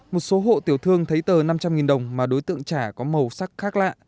một số hộ tiểu thương thấy tờ năm trăm linh đồng mà đối tượng trả có màu sắc khác lạ